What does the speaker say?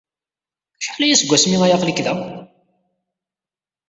Acḥal aya seg wasmi ay aql-ik da?